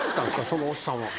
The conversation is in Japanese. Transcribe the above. そのおっさん